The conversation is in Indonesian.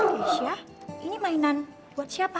aisyah ini mainan buat siapa